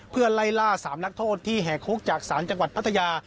เพื่อไล่ล่า๓นักโทษที่แห่คุกจากศาลจังหวัดพัทยา